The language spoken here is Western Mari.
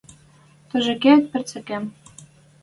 Тоже кеет, пӹрцӹкем?